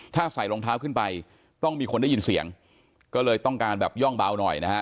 ถ้าใส่รองเท้าขึ้นไปต้องมีคนได้ยินเสียงก็เลยต้องการแบบย่องเบาหน่อยนะฮะ